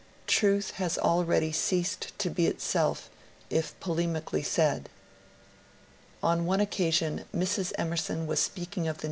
Truth has already ceased to be itself if polemically said." On one occasion Mrs. Emerson was speaking of the.